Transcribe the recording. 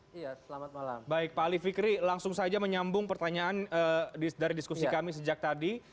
pak ali fikri langsung saja menyambung pertanyaan dari diskusi kami sejak tadi